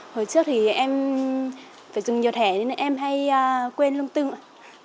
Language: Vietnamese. hồi trước thì em phải dùng nhiều thẻ nên em hay quên lung tưng ạ